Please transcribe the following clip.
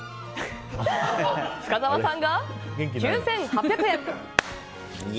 深澤さんが９８００円。